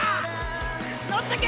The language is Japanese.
乗ってけ！